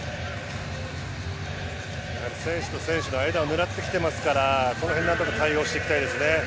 選手と選手の間を狙ってきていますからこの辺なんとか対応していきたいですね。